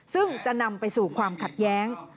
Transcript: ซึ่งจะนำไปสู่ความขัดแย้ง